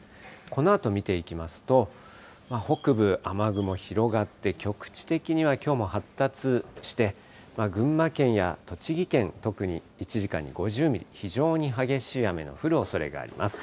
このあと見ていきますと、北部、雨雲広がって、局地的にはきょうも発達して、群馬県や栃木県、特に１時間に５０ミリ、非常に激しい雨の降るおそれがあります。